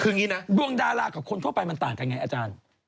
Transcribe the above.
คืออย่างนี้นะดวงดารากับคนทั่วไปมันต่างกันไงอาจารย์